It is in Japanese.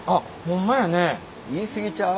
言い過ぎちゃう？